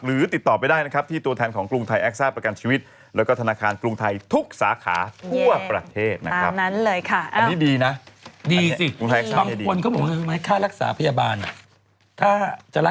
เห็นจองปลวกรัสสนะเหมือนพญานา